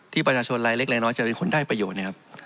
ที่ประชาชนไร้เล็กน้อยจะเป็นคนได้ประโยชน์